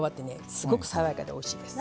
すごく爽やかでおいしいです。